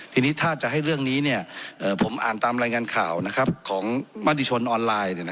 ทีนี้ถ้าจะให้เรื่องนี้ผมอ่านตามรายงานข่าวของมติชนออนไลน์